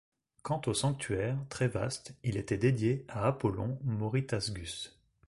Quant au sanctuaire, très vaste, il était dédié à Apollon Moritasgus.